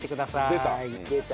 出た！